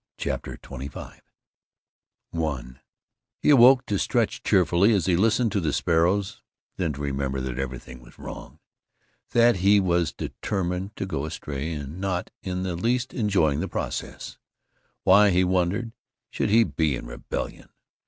CHAPTER XXV I He awoke to stretch cheerfully as he listened to the sparrows, then to remember that everything was wrong; that he was determined to go astray, and not in the least enjoying the process. Why, he wondered, should he be in rebellion?